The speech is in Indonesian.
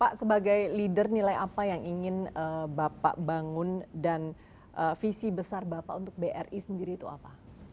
pak sebagai leader nilai apa yang ingin bapak bangun dan visi besar bapak untuk bri sendiri itu apa